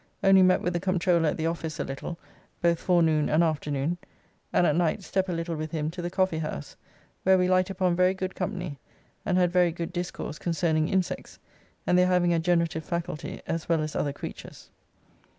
Only met with the Comptroller at the office a little both forenoon and afternoon, and at night step a little with him to the Coffee House where we light upon very good company and had very good discourse concerning insects and their having a generative faculty as well as other creatures.